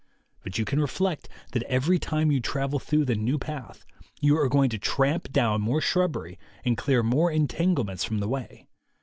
But you can re flect that every time you travel through the new path you are going to tramp down more shrubbery and clear more entanglements from the way.